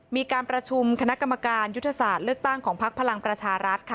มีการประชุมคณะกรรมการยุทธศาสตร์เลือกตั้งของพักพลังประชารัฐค่ะ